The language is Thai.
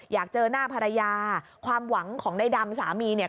อยากเจอหน้าภรรยาความหวังของในดำสามีเนี่ย